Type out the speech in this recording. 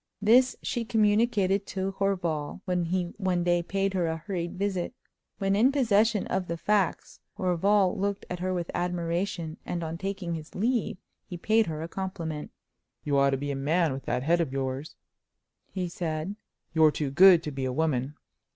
This she communicated to Horval when he one day paid her a hurried visit. When in possession of the facts, Horval looked at her with admiration, and on taking his leave he paid her a compliment. "You ought to be a man, with that head of yours," he said; "you're too good to be a woman!"